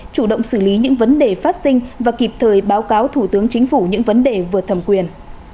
chủ động xử lý những vấn đề phát sinh và kịp thời báo cáo thủ tướng chính phủ những vấn đề vượt thẩm quyền